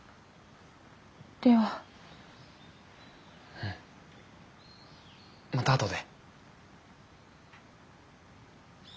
うんまたあとで。